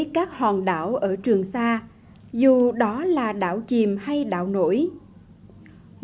các bạn hãy đăng ký kênh để ủng hộ kênh của chúng mình nhé